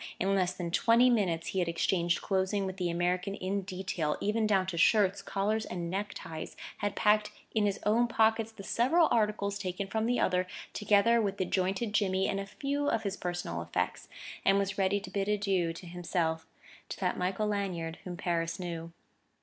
In less than twenty minutes he had exchanged clothing with the American in detail, even down to shirts, collars and neckties; had packed in his own pockets the several articles taken from the other, together with the jointed jimmy and a few of his personal effects, and was ready to bid adieu to himself, to that Michael Lanyard whom Paris knew.